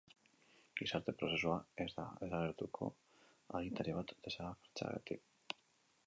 Gizarte-prozesua ez da desagertuko agintari bat desagertzeagatik.